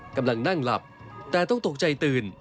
กำลังนั่งหลับแต่ต้องตกใจตื่น